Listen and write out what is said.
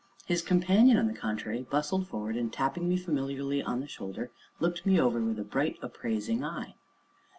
His companion, on the contrary, bustled forward, and, tapping me familiarly on the shoulder, looked me over with a bright, appraising eye.